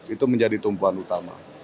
itu menjadi tumpuan utama